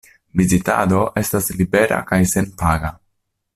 Vizitado estas libera kaj senpaga.